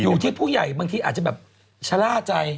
อยู่ที่ผู้ใหญ่บางทีอาจจะแบบชะล่าใจ